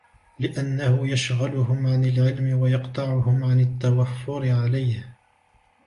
لِأَنَّهُ يَشْغَلُهُمْ عَنْ الْعِلْمِ وَيَقْطَعُهُمْ عَنْ التَّوَفُّرِ عَلَيْهِ